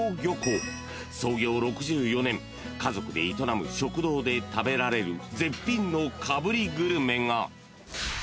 ［創業６４年家族で営む食堂で食べられる絶品のかぶりグルメが］